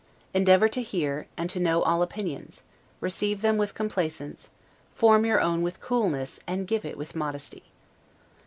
Endeavor to hear, and know all opinions; receive them with complaisance; form your own with coolness, and give it with modesty.